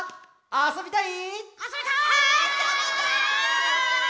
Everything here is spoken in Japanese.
あそびたい！